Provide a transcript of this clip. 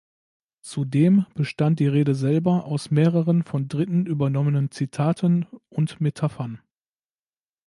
Zudem bestand die Rede selber aus mehreren von Dritten übernommenen Zitaten und Metaphern.